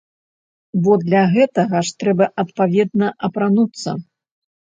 Бо для гэтага ж трэба адпаведна апрануцца.